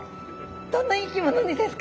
どんな生き物にですか？